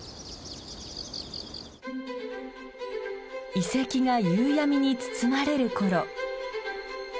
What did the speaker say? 遺跡が夕闇に包まれる頃。